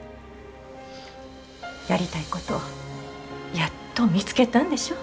やりたいことやっと見つけたんでしょ？